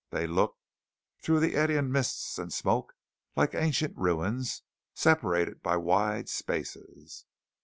They looked, through the eddying mists and smoke, like ancient ruins, separated by wide spaces.